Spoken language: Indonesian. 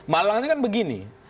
malangnya kan begini